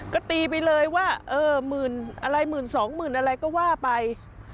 ก็ตีไปเลยว่าหมื่นอะไรหมื่นสองหมื่นอะไรก็ว่าไป